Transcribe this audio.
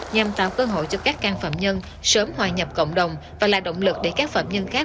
nhằm tạo cơ hội cho các can phạm nhân sớm hòa nhập cộng đồng và là động lực để các phạm nhân khác